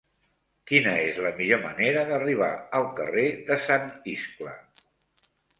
Quina és la millor manera d'arribar al carrer de Sant Iscle?